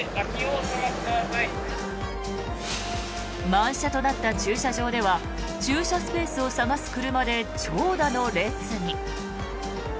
満車となった駐車場では駐車スペースを探す車で長蛇の列に。